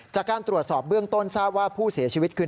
จากการตรวจสอบเบื้องต้นทราบว่าผู้เสียชีวิตคือ